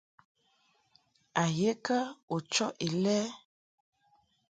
A ye kə u chɔʼ Ilɛ?